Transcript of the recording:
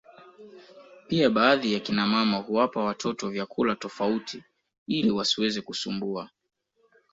pia baadhi ya kina mama huwapa watoto vyakula tofauti ili wasiweze kusumbua